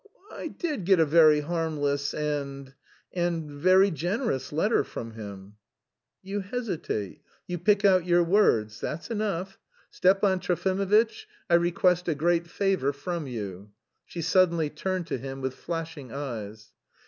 "I did get a very harmless and... and... very generous letter from him...." "You hesitate, you pick out your words. That's enough! Stepan Trofimovitch, I request a great favour from you." She suddenly turned to him with flashing eyes.